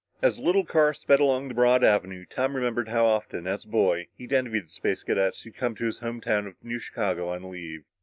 As the little car sped along the broad avenue, Tom remembered how often, as a boy, he'd envied the Space Cadets who'd come to his home town of New Chicago on leave.